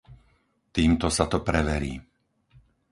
Týmto sa to preverí.